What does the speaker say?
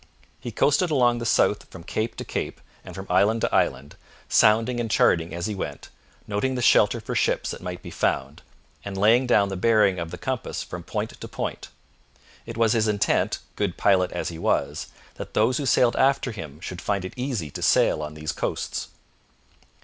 He coasted along the shore from cape to cape and from island to island, sounding and charting as he went, noting the shelter for ships that might be found, and laying down the bearing of the compass from point to point. It was his intent, good pilot as he was, that those who sailed after him should find it easy to sail on these coasts.